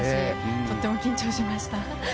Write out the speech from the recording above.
とても緊張しました。